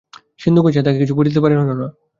সিন্ধু গুছাইয়া তাকে কিছু বলিতে পারিল না।